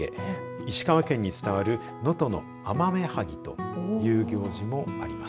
石川県に伝わる能登のアマメハギという行事もあります。